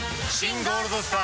ゴールドスター」！